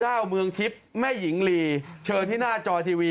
เมืองทิพย์แม่หญิงลีเชิญที่หน้าจอทีวี